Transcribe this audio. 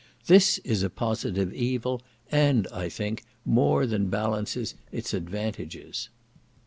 This is a positive evil, and, I think, more than balances its advantages.